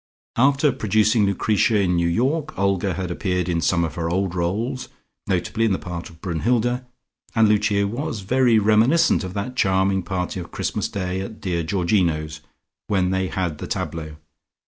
After producing Lucretia in New York, Olga had appeared in some of her old roles, notably in the part of Brunnhilde, and Lucia was very reminiscent of that charming party of Christmas Day at dear Georgino's, when they had the tableaux.